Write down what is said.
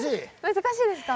難しいですか。